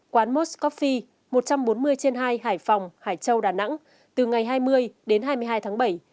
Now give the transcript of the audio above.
quán moscoffee một trăm bốn mươi trên hai hải phòng hải châu đà nẵng từ ngày hai mươi đến hai mươi hai tháng bảy